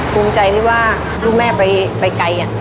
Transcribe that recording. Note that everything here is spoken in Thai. ภูมิใจที่ว่าลูกแม่ไปไกล